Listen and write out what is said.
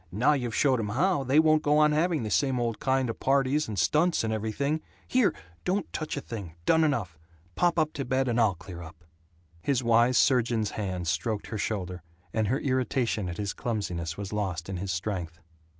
Now you've showed 'em how, they won't go on having the same old kind of parties and stunts and everything. Here! Don't touch a thing! Done enough. Pop up to bed, and I'll clear up." His wise surgeon's hands stroked her shoulder, and her irritation at his clumsiness was lost in his strength.